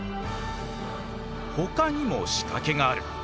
ほかにも仕掛けがある。